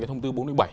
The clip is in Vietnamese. thông tư bốn mươi bảy